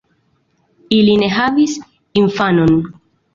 Ili ne havis infanon.